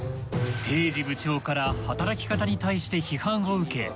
堤司部長から働き方に対して批判を受け。